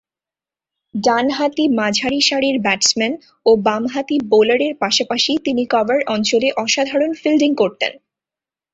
ডানহাতি মাঝারিসারির ব্যাটসম্যান ও বামহাতি বোলারের পাশাপাশি কভার অঞ্চলে অসাধারণ ফিল্ডিং করতেন।